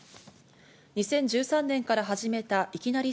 ２０１３年から始めたいきなり！